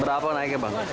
berapa naiknya bang